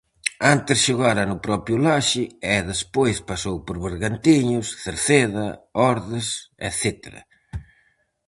Antes xogara no propio Laxe, e despois pasou por Bergantiños, Cerceda, Ordes etcétera.